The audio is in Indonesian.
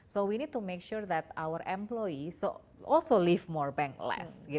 jadi kita harus memastikan para pekerja kita juga live more bank less